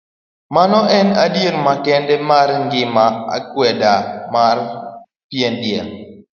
Mano en adiera makende mar ng'ima, akwede mar pien del.